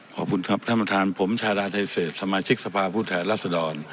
ขอบคุณครับท่านประทานผมชาดาไทยเสจสมาชิกทรัพย์พู่ทลักษณฑ์รัศดร